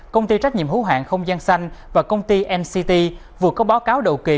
công ty trách nhiệm hữu hạng không gian xanh và công ty nct vừa có báo cáo đầu kỳ